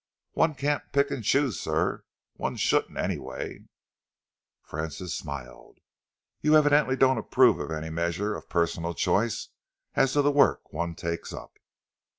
"One can't pick and choose, sir. One shouldn't, anyway." Francis smiled. "You evidently don't approve of any measure of personal choice as to the work which one takes up."